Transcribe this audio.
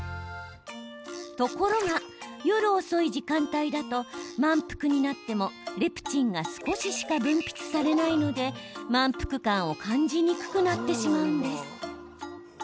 ところが、夜遅い時間帯だと満腹になっても、レプチンが少ししか分泌されないので満腹感を感じにくくなってしまうんです。